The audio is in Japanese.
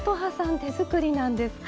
手作りなんですか？